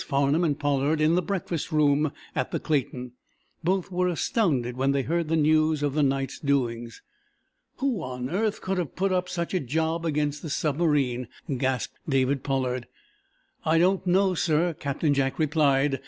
Farnum and Pollard in the breakfast room at the Clayton. Both were astounded when they heard the news of the night's doings. "Who on earth could have put up such a job against the submarine?" gasped David Pollard. "I don't know, sir," Captain Jack replied.